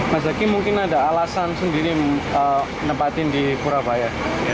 mas zaky mungkin ada alasan sendiri nempatin di purabaya